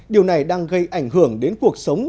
điều này đang gây ảnh hưởng đến cuộc sống